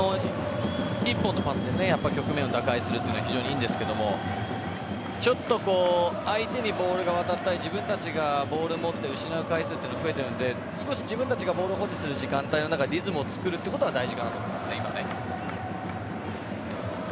１本のパスで局面を打開するのは非常に良いんですがちょっと相手にボールが渡ったり自分たちがボールを持って失う回数が増えているので自分たちがボールを保持する時間帯リズムを作ることは大事かなと思います。